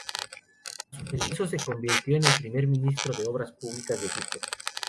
A su regreso, se convirtió en el primer ministro de obras públicas de Egipto.